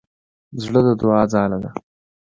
زړه د دوعا ځاله ده.